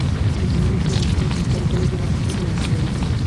তিনি বিভিন্ন সময়ে রিপন কলেজ এবং সিটি কলেজের সাথেও যুক্ত ছিলেন।